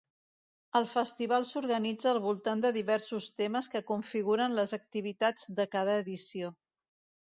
El festival s'organitza al voltant de diversos temes que configuren les activitats de cada edició.